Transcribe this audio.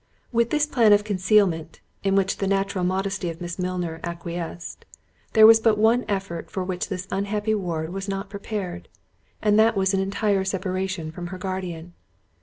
With this plan of concealment, in which the natural modesty of Miss Milner acquiesced, there was but one effort for which this unhappy ward was not prepared; and that was an entire separation from her guardian.